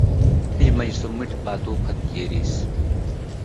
مژ مژ سو مٹی پاتُو پُھٹ کیرِسیۡ۔